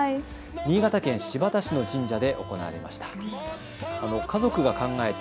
新潟県新発田市の神社で行われました。